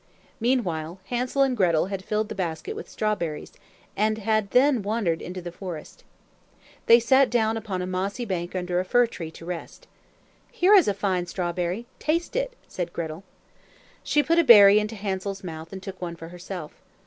Meanwhile Hansel and Gretel had filled the basket with strawberries, and then had wandered into the forest. They sat down upon a mossy bank under a fir tree, to rest. "Here is a fine strawberry! Taste it," said Gretel. She put a berry into Hansel's mouth and took one for herself.